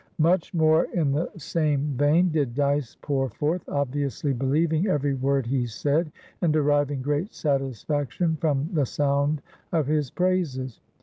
Much more in the same vein did Dyce pour forth, obviously believing every word he said, and deriving great satisfaction from the sound of his praises.